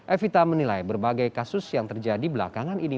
evita menilai berbagai kasus yang terjadi belakangan ini